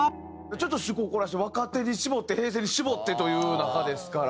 ちょっと趣向を凝らして若手に絞って平成に絞ってという中ですから。